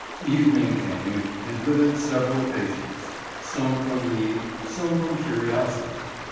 Evening came and with it several patients; some from need, some from curiosity.